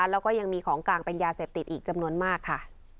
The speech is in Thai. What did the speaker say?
แล้วก็ยังมีของกลางเป็นยาเสพติดอีกจำนวนมากค่ะ